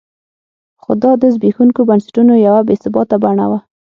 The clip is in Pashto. خو دا د زبېښونکو بنسټونو یوه بې ثباته بڼه وه.